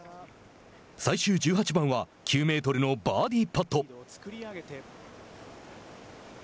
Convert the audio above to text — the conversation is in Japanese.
最終１８番は９メートルのバーディーパット。